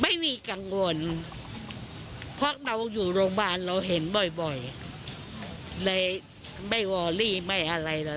ไม่มีกังวลเพราะเราอยู่โรงพยาบาลเราเห็นบ่อยเลยไม่วอรี่ไม่อะไรเลย